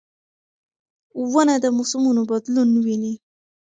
ونه د موسمونو بدلون ویني.